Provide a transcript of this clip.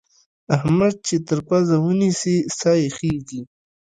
احمد چې تر پزه ونيسې؛ سا يې خېږي.